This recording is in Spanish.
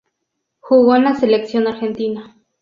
Jugó en la selección argentina.